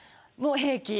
平気。